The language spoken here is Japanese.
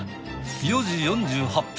４時４８分